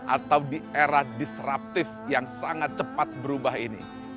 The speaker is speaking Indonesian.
atau di era disruptif yang sangat cepat berubah ini